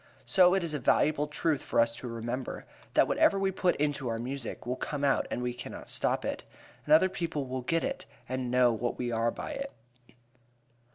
So it is a valuable truth for us to remember, that whatever we put into our music will come out and we cannot stop it; and other people will get it, and know what we are by it.